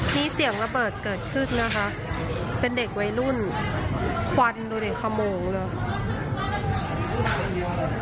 มีเสียงระเบิดเกิดขึ้นนะคะเป็นเด็กวัยรุ่นควันดูดิขโมงเลย